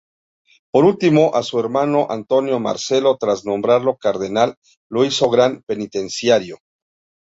Por último, a su hermano Antonio Marcelo tras nombrarlo cardenal lo hizo gran Penitenciario.